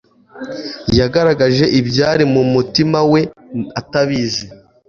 yagaragaje ibyari mu mutima we atabizi